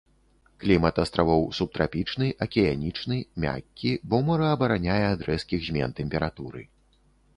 Клімат астравоў субтрапічны акіянічны, мяккі, бо мора абараняе ад рэзкіх змен тэмпературы.